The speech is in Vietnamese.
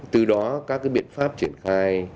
từ đó các biện pháp triển khai